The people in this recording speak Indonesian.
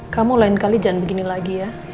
kamu lain kali jangan begini lagi ya